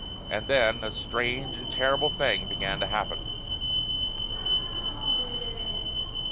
And then a strange and terrible thing began to happen.